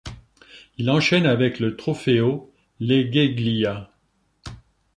Il enchaîne avec le Trofeo Laigueglia.